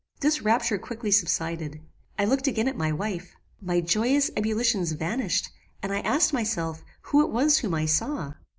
This rapture quickly subsided. I looked again at my wife. My joyous ebullitions vanished, and I asked myself who it was whom I saw?